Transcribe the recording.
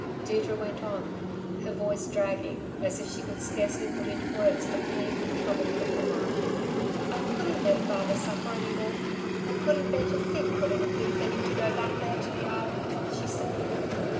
Deirdre went on, her voice dragging as if she could scarcely put into words the pain and trouble of her mind. "I couldn't let father suffer any more. I couldn't bear to think what it would be for him to go back there, to the Island," she said.